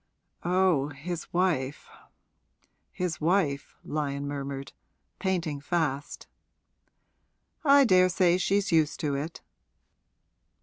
'Oh, his wife his wife!' Lyon murmured, painting fast. 'I daresay she's used to it.'